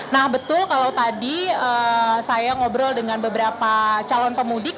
nah betul kalau tadi saya ngobrol dengan beberapa calon pemudik